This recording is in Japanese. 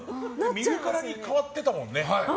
見るからに変わってたもんね。